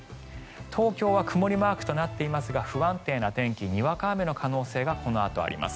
東京は曇りマークとなっていますが不安定な天気にわか雨の可能性がこのあと、あります。